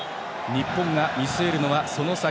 日本が見据えるのは、その先。